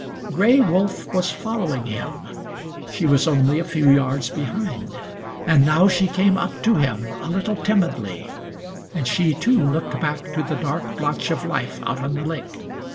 Gray Wolf was following him. She was only a few yards behind. And now she came up to him, a little timidly, and she, too, looked back to the dark blotch of life out on the lake.